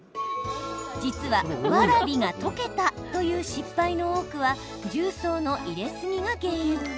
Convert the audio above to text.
実は、わらびが溶けたという失敗の多くは重曹の入れすぎが原因。